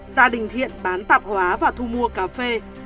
gia đình thiện bán tạp hóa và thu mua cà phê